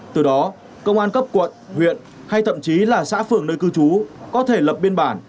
từ đó công an cấp quận huyện hay thậm chí là xã phường nơi cư trú có thể lập biên bản